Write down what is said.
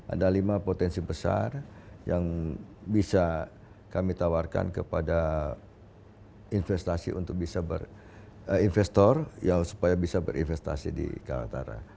ada lima potensi besar yang bisa kami tawarkan kepada investasi untuk bisa berinvestor supaya bisa berinvestasi di kaltara